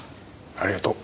ありがとう。